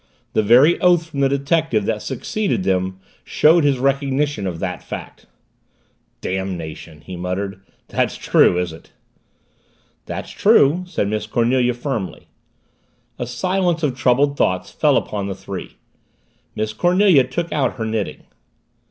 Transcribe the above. The very oath from the detective that succeeded them showed his recognition of the fact. "Damnation," he muttered. "That's true, is it?" "That's true," said Miss Cornelia firmly. A silence of troubled thoughts fell upon the three. Miss Cornelia took out her knitting.